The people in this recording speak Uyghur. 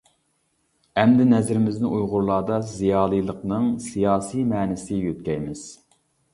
ئەمدى نەزىرىمىزنى ئۇيغۇرلاردا زىيالىيلىقنىڭ سىياسىي مەنىسىگە يۆتكەيمىز.